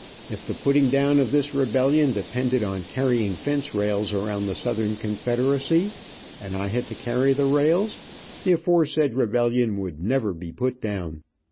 If the putting down of this rebellion depended on carrying fence rails around the Southern Confederacy, and I had to carry the rails, the aforesaid rebellion never would be put down.